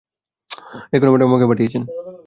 Renuka madam আমাকে পাঠিয়েছেন।